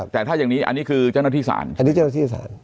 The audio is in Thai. แต่ถ้าอย่างนี้อันนี้คือเจ้าหน้าที่ศาลอันนี้เจ้าหน้าที่ศาล